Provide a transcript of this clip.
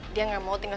dia gak mau tinggalin